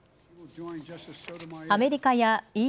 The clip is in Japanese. アメリカやＥＵ